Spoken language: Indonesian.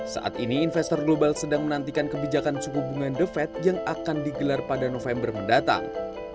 saat ini investor global sedang menantikan kebijakan suku bunga the fed yang akan digelar pada november mendatang